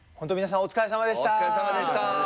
お疲れさまでした。